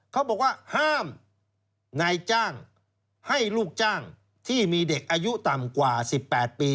เขาบอกว่าห้ามนายจ้างให้ลูกจ้างที่มีเด็กอายุต่ำกว่า๑๘ปี